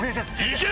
「行け！